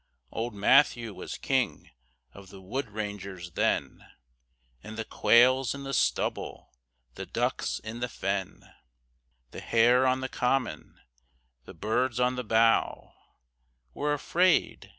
Old Matthew was king of the wood rangers then; And the quails in the stubble, the ducks in the fen, The hare on the common, the birds on the bough, Were afraid.